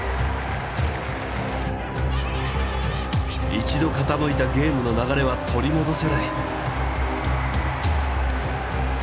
一度傾いたゲームの流れは取り戻せない。